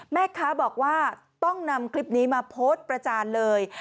แม่ค้าบอกว่าต้องนำคลิปนี้มาโพสต์ประจานเลย